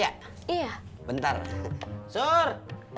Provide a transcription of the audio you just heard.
ada yang beli gaduh gaduh